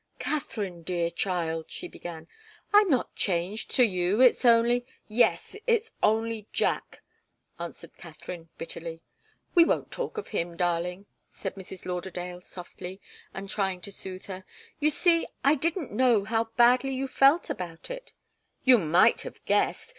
"Katharine, dear child," she began, "I'm not changed to you it's only " "Yes it's only Jack!" answered Katharine, bitterly. "We won't talk of him, darling," said Mrs. Lauderdale, softly, and trying to soothe her. "You see, I didn't know how badly you felt about it " "You might have guessed.